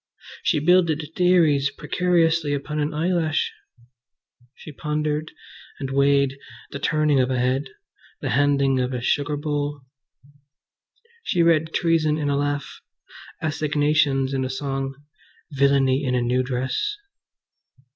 She builded theories precariously upon an eyelash. She pondered and weighed the turning of a head, the handing of a sugar bowl. She read treason in a laugh, assignations in a song, villainy in a new dress.